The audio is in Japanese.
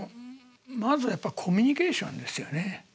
まずはやっぱコミュニケーションですよね。